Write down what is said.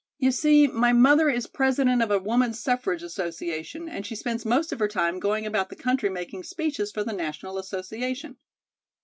"You see, my mother is President of a Woman's Suffrage Association, and she spends most of her time going about the country making speeches for the National Association."